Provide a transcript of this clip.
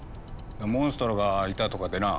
モンストロがいたとかでな。